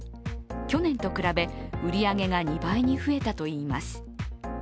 去年と比べ、売り上げが２倍に増えたといいます